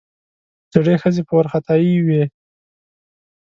زړې ښځې په وارخطايي وې.